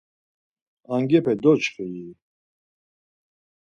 Angepe doçxi-i?